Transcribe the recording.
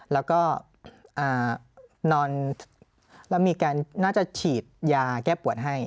แล้วก็นอนแล้วมีการน่าจะฉีดยาแก้ปวดให้